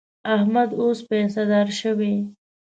احمد اوس پیسهدار شوی.